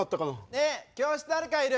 ねえ教室誰かいる？